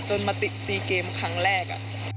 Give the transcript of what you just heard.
มาติดซีเกมครั้งแรก